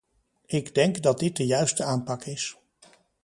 Ik denk dat dit de juiste aanpak is.